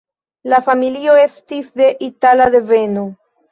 La familio estis de itala deveno.